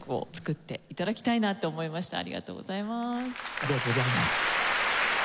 ありがとうございます。